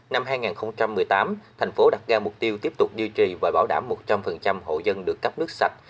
năm hai nghìn một mươi tám tp hcm đặt ra mục tiêu tiếp tục điều trì và bảo đảm một trăm linh hộ dân được cấp nước sạch